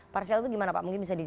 parsial itu gimana pak mungkin bisa di